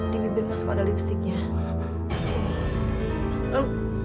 di bibir mas kok ada lipsticknya